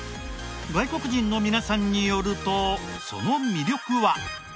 外国人の皆さんによるとその魅力は。